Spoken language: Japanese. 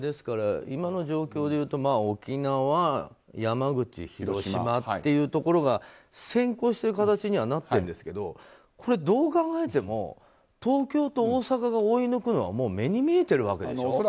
今の状況でいうと沖縄、広島、山口というところが先行していく形にはなってるんですけどどう考えても東京と大阪が追い抜くのはもう目に見えてるわけでしょ。